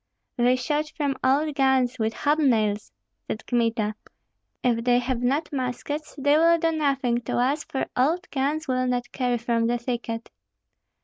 "They shot from old guns, with hob nails!" said Kmita; "if they have not muskets, they will do nothing to us, for old guns will not carry from the thicket."